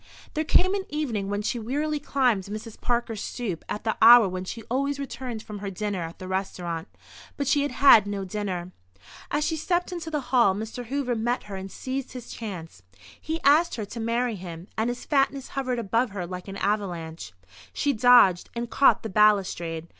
There came an evening when she wearily climbed Mrs. Parker's stoop at the hour when she always returned from her dinner at the restaurant. But she had had no dinner. As she stepped into the hall Mr. Hoover met her and seized his chance. He asked her to marry him, and his fatness hovered above her like an avalanche. She dodged, and caught the balustrade.